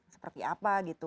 seperti apa gitu